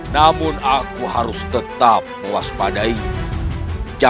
dan aku ditemukan oleh butuh ijo